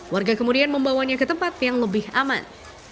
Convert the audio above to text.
warga kemudian membawanya ke tempat yang lebih aman